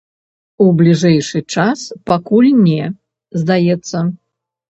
У бліжэйшы час пакуль не, здаецца.